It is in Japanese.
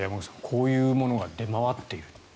こういうものが出回っていると。